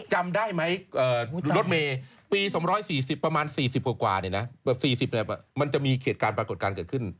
จำได้ไหมรถเมย์ปี๒๔๐ประมาณ๔๐กว่า๔๐มันจะมีเหตุการณ์ปรากฏการณ์เกิดขึ้น